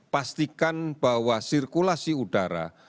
pastikan bahwa sirkulasi udara